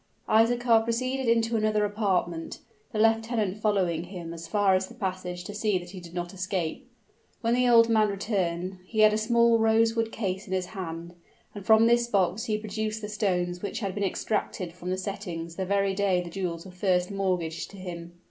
Isaachar proceeded into another apartment, the lieutenant following him as far as the passage to see that he did not escape. When the old man returned, he had a small rosewood case in his hand: and from this box he produced the stones which had been extracted from the settings the very day the jewels were first mortgaged to him.